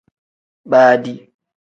Baadi.